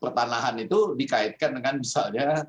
pertanahan itu dikaitkan dengan misalnya